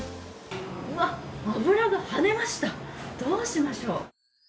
うわっ、脂がはねました、どうしましょう。